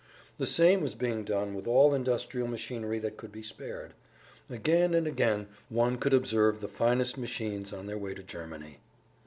The same was being done with all industrial machinery that could be spared. Again and again one could observe the finest machines on their way to Germany.